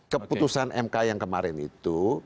keputusan mk yang kemarin itu